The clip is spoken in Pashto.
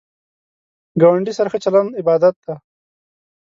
ګاونډی سره ښه چلند عبادت دی